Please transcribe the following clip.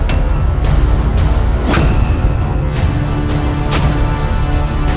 apakah topeng ini milikku